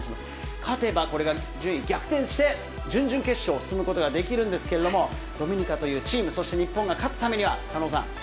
勝てば、これが順位逆転して、準々決勝へ進むことができるんですけれども、ドミニカというチーム、そして日本が勝つためには、狩野さん。